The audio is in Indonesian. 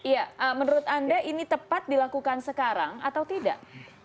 ya menurut anda ini tepat dilakukan sekarang atau tidak